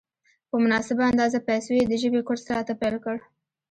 په مناسبه اندازه پیسو یې د ژبې کورس راته پېل کړ.